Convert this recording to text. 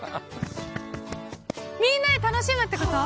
みんなで楽しむってこと？